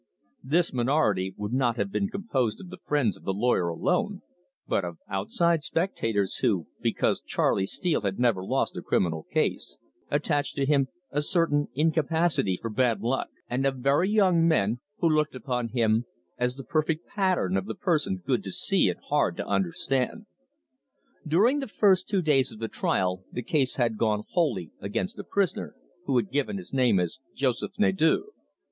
This minority would not have been composed of the friends of the lawyer alone, but of outside spectators, who, because Charley Steele had never lost a criminal case, attached to him a certain incapacity for bad luck; and of very young men, who looked upon him as the perfect pattern of the person good to see and hard to understand. During the first two days of the trial the case had gone wholly against the prisoner, who had given his name as Joseph Nadeau.